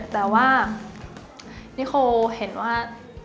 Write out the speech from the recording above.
แต่ว่านิโคเห็นว่า